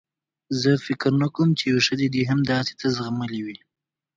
زه فکر نه کوم چې یوې ښځې دې هم داسې څه زغملي وي.